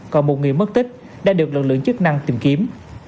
còn một người mất tích đã được lực lượng chức năng tìm kiếm